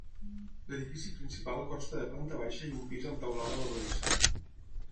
L'edifici principal consta de planta baixa i un pis amb teulada a doble vessant.